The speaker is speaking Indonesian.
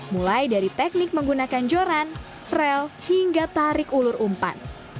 mulai dari teknik menggunakan joran rel hingga tarik ulur umpan